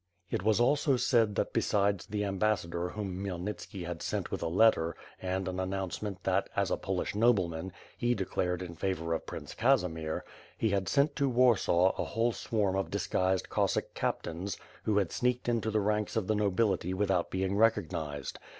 It was also said that besides the ambassador whom Khmy elnitski had sent with a letter, and an announcement that, as a Polish nobleman, he declared in favor of Prince Casimir, he had sent to Warsaw a whole swarm of disguised Cossack captains who had sneaked into the ranks of the nobility with out being recognized.